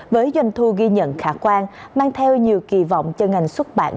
với doanh thu ghi nhận khả quan mang theo nhiều kỳ vọng cho ngành xuất bản